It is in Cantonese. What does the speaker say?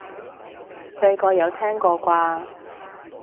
細個有聽過啩？